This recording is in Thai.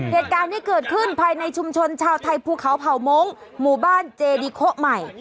เหตุการณ์ที่เกิดขึ้นภายในชุมชนชาวไทยภูเขาเผ่ามงค์หมู่บ้านเจดีโคใหม่